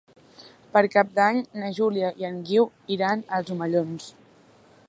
Per Cap d'Any na Júlia i en Guiu iran als Omellons.